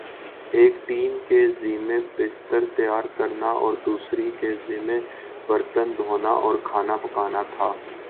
ایک ٹیم کے ذمہ بستر تیار کرنا اور دوسری کے ذمہ برتن دھونا اور کھانا پکانا تھا ۔